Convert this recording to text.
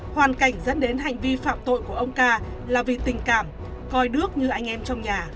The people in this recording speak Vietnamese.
hoàn cảnh dẫn đến hành vi phạm tội của ông ca là vì tình cảm coi đước như anh em trong nhà